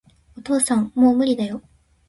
お父さん、もう無理だよ